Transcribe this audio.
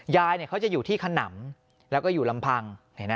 ยายเขาจะอยู่ที่ขนำแล้วก็อยู่ลำพัง